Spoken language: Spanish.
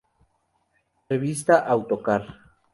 Revista Autocar.